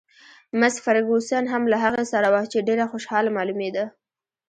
مس فرګوسن هم له هغې سره وه، چې ډېره خوشحاله معلومېده.